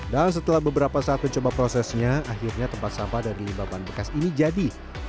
dan setelah beberapa saat mencoba prosesnya akhirnya tempat sampah dari limba ban bekas ini jadi